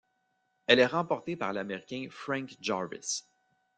Elle est remportée par l'Américain Frank Jarvis.